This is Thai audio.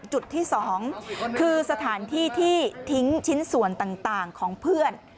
จุดที่๒คือสถานที่ที่ทิ้งชิ้นส่วนต่างของเพื่อน